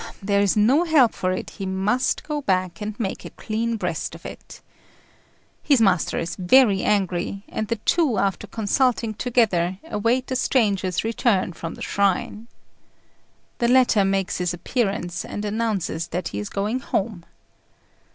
There is no help for it, he must go back and make a clean breast of it. His master is very angry; and the two, after consulting together, await the stranger's return from the shrine. The latter makes his appearance and announces that he is going home.